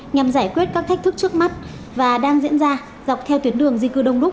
nhằm giải quyết các thách thức trước mắt và đang diễn ra dọc theo tuyến đường di cư đông đúc